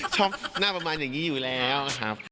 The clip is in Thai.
ชอบหน้าประมาณอย่างนี้อยู่แล้วครับ